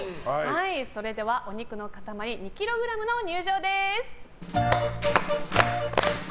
では、お肉の塊２ｋｇの入場です。